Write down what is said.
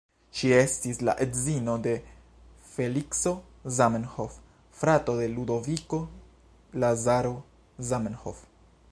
Ŝi estis la edzino de Felikso Zamenhof, frato de Ludoviko Lazaro Zamenhof.